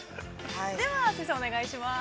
◆では先生、お願いします。